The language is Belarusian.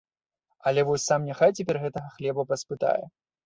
Але вось сам няхай цяпер гэтага хлеба паспытае.